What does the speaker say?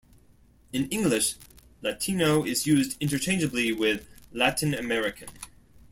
In English, "Latino" is used interchangeably with "Latin American".